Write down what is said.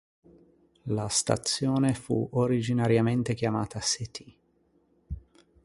La stazione fu originariamente chiamata City.